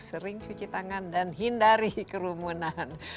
sering cuci tangan dan hindari kerumunan